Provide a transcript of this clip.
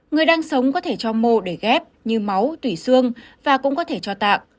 người đang sống có thể cho mô để ghép như máu tủy xương và cũng có thể cho tạng